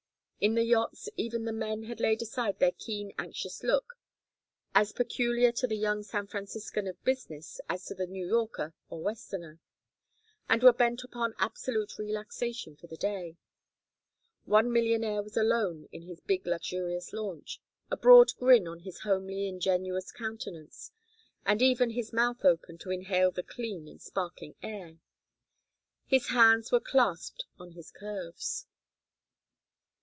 In the yachts even the men had laid aside their keen anxious look as peculiar to the young San Franciscan of business as to the New Yorker or Westerner and were bent upon absolute relaxation for the day. One millionaire was alone in his big luxurious launch, a broad grin on his homely ingenuous countenance, and even his mouth open to inhale the clean and sparkling air. His hands were clasped on his curves.